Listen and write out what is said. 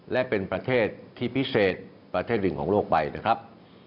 และเป็นประเทศที่พิเศษประเทศหนึ่งของโลกไปนะครับ